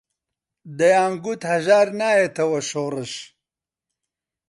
دەیانگوت هەژار نایەتەوە شۆڕش